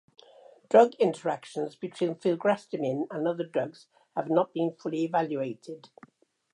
Drug interactions between filgrastim and other drugs have not been fully evaluated.